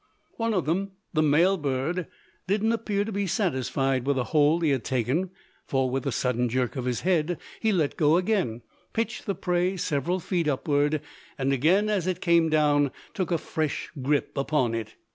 One of them, the male bird, didn't appear to be satisfied with the hold he had taken; for, with a sudden jerk of his head, he let go again, pitched the prey several feet upward, and again as it came down took a fresh "grip" upon it.